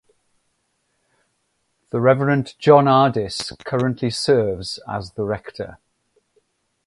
Rev John Ardis currently serves as the rector.